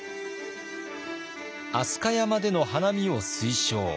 飛鳥山での花見を推奨。